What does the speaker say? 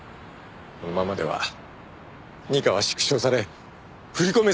このままでは二課は縮小され振り込め